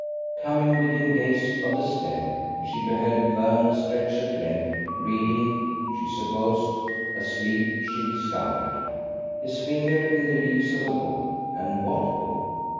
Coming within gaze of the stem, she beheld Vernon stretched at length, reading, she supposed; asleep, she discovered: his finger in the leaves of a book; and what book?